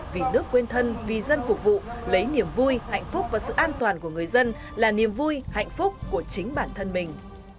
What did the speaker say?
vì nước quên thân vì dân phục vụ lấy niềm vui hạnh phúc và sự an toàn của người dân là niềm vui hạnh phúc của chính bản thân mình